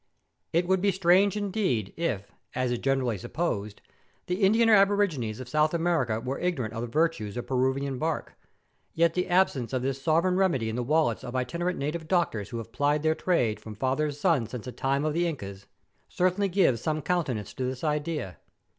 It would be strange, indeed, if, as is generally supposed, the Indian aborigines of South America were ignorant of the virtues of Peruvian bark, yet the absence of this sovereign remedy in the wallets of itinerant native doctors who have plied their DISCOVERY OF PERUVIAN BARK. 305 trade from father to son since the time of the Incas, certainly gives some countenance to this idea.